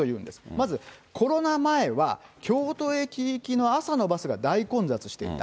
まずコロナ前は京都駅行きの朝のバスが混雑していた。